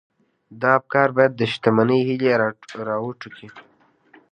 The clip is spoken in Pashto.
دا افکار بايد د شتمنۍ هيلې را وټوکوي.